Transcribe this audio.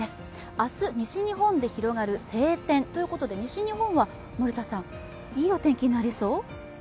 明日、西日本で広がる晴天ということで西日本はいいお天気になりそう？